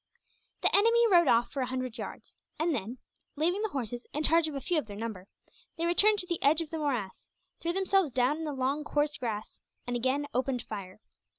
The enemy rode off for a hundred yards; and then, leaving the horses in charge of a few of their number, they returned to the edge of the morass, threw themselves down in the long coarse grass, and again opened fire.